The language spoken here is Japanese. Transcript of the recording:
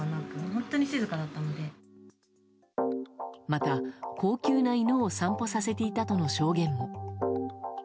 また、高級な犬を散歩させていたとの証言も。